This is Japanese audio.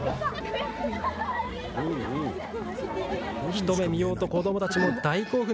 一目見ようと子どもたちも大興奮。